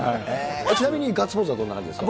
ちなみにガッツポーズはどんな感僕のですか。